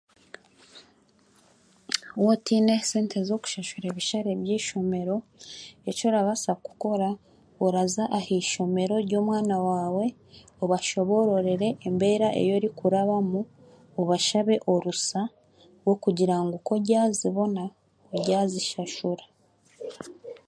Wootaine esente z'okushashura ebishare by'eishomero eki orabaasa kukora oraza ah'eishomero ry'omwana waawe obashoboorore embeera ei orikurabamu obaashabe orusa rw'okugira ngu ku oraazibona oraahashura